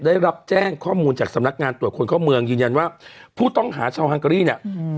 ได้รับแจ้งข้อมูลจากสำนักงานตรวจคนเข้าเมืองยืนยันว่าผู้ต้องหาชาวฮังเกอรี่เนี่ย